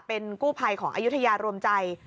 เป็นกู้ภัยของอายุทยารวมใจ